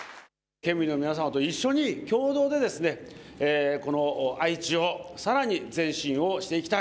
県民の皆様と一緒に共同でですね、この愛知をさらに前進をしていきたい。